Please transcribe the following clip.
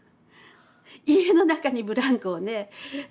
家の中にブランコをね